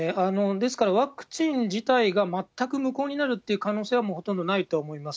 ですから、ワクチン自体が全く無効になるって可能性は、もうほとんどないとは思います。